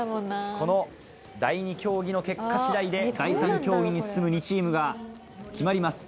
この第２競技の結果次第で第３競技に進む２チームが決まります。